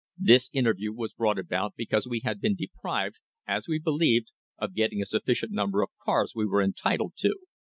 This interview was brought about because we had been deprived, as we believed, of getting a sufficient number of cars we were entitled to.